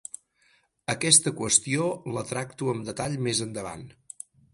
Aquesta qüestió la tracto amb detall més endavant.